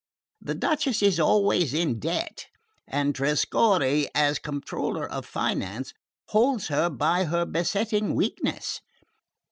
The Duchess is always in debt; and Trescorre, as Comptroller of Finance, holds her by her besetting weakness.